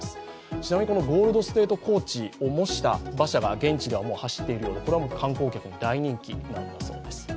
ちなみにゴールド・ステート・コーチを模した馬車が現地ではもう走っているようで観光客に大人気なんだそうです。